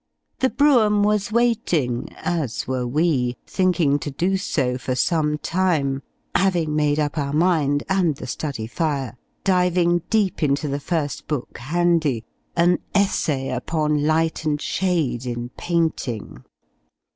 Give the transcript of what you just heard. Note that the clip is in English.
The Brougham was waiting, as were we thinking to do so for some time: having made up our mind and the study fire diving deep into the first book handy an "Essay upon Light and Shade in Painting."